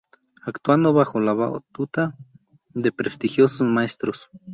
Actuando bajo la batuta de prestigiosos maestros.